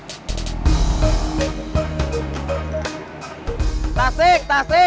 daya yang sangat besar